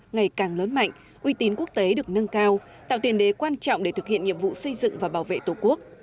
ngày càng lớn mạnh uy tín quốc tế được nâng cao tạo tiền đế quan trọng để thực hiện nhiệm vụ xây dựng và bảo vệ tổ quốc